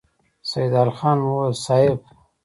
سيدال خان وويل: صېب!